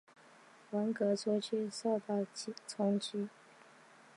文革初期受到冲击。